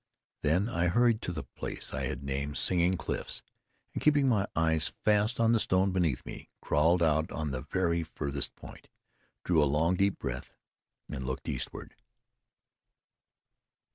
Then I hurried to the place I had named Singing Cliffs, and keeping my eyes fast on the stone beneath me, trawled out to the very farthest point, drew a long, breath, and looked eastward.